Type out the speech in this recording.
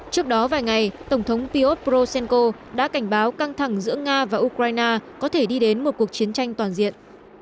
trước đó vài ngày tổng thống piot prosenco đã cảnh báo căng thẳng giữa nga và ukraine có thể đi đến một cuộc chiến tranh toàn diện